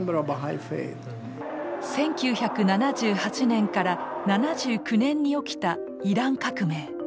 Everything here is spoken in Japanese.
１９７８年から７９年に起きたイラン革命。